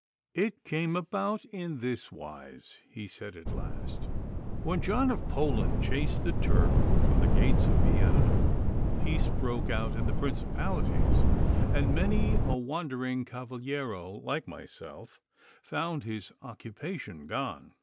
'It came about in this wise,' he said at last. 'When John of Poland chased the Turk from the gates of Vienna, peace broke out in the Principalities, and many a wandering cavaliero like myself found his occupation gone.